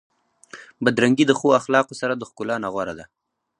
بدرنګي د ښو اخلاقو سره د ښکلا نه غوره ده.